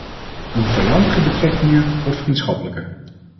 Om vijandige betrekkingen, of vriendschappelijke?